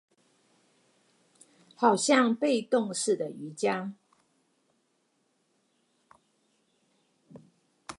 好像被動式的瑜珈